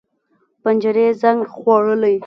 پنجرې زنګ خوړلي